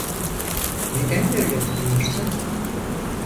Neden böyle duruyorsun?